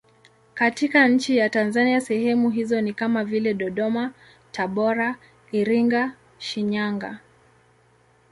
Katika nchi ya Tanzania sehemu hizo ni kama vile Dodoma, Tabora, Iringa, Shinyanga.